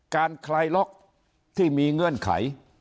ใครล็อคที่มีเงื่อนไข